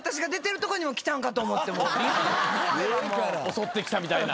襲ってきたみたいな。